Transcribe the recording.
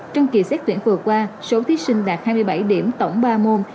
trong kỳ xét tuyển vừa qua số thí sinh đạt hai mươi bảy điểm tổng ba môn